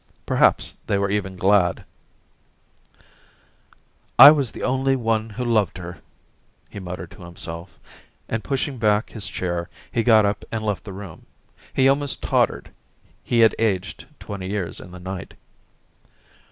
..• Perhaps they were even glad * I was the only one who loved her,* he muttered to himself, and pushing back hia chair he got up and left the room. He almost tottered ; he had aged twenty years in the night.